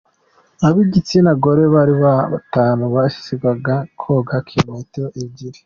Ab’igitsina gore bari batanu, basiganwaga koga kilometer ebyiri.